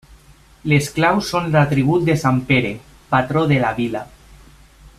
Les claus són l'atribut de sant Pere, patró de la vila.